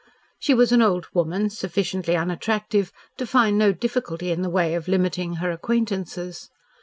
She was an old woman sufficiently unattractive to find no difficulty in the way of limiting her acquaintances.